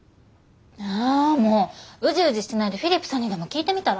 あもううじうじしてないでフィリップさんにでも聞いてみたら？